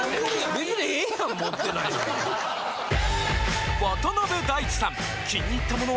別にええやん持ってないの。